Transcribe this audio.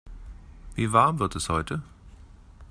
Wie warm wird es heute?